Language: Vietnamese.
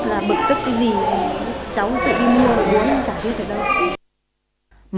là bực tức cái gì cháu không thể đi mua uống chả biết ở đâu